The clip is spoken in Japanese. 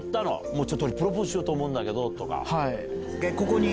もうちょっと俺、プロポーズしようと思うんだけどとか。